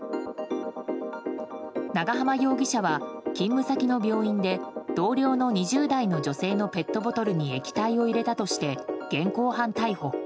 長浜容疑者は、勤務先の病院で同僚の２０代の女性のペットボトルに液体を入れたとして現行犯逮捕。